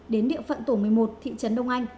đến địa phận tổ một mươi một thị trấn đông anh